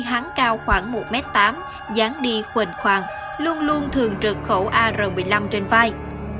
hắn cao khoảng một m tám dán đi khuẩn khoàng luôn luôn thường trượt khẩu ar một mươi năm trên vai